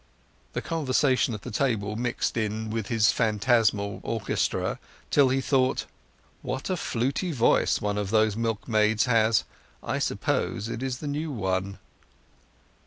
The conversation at the table mixed in with his phantasmal orchestra till he thought: "What a fluty voice one of those milkmaids has! I suppose it is the new one."